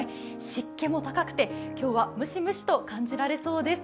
湿気も高くて今日は蒸し蒸しと感じられそうです。